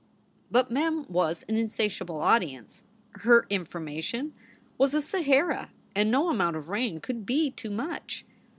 But Mem was an insatiable audience. Her information was a Sahara and no amount of rain could be too much.